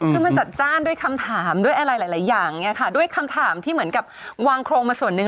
คือมันจัดจ้านด้วยคำถามด้วยอะไรหลายอย่างเนี่ยค่ะด้วยคำถามที่เหมือนกับวางโครงมาส่วนหนึ่ง